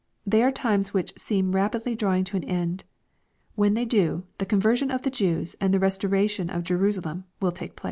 They are times which seem rapidly drawing to an end. When they do end, the conversion of the Jews and the restoration of Jerusalem will take place.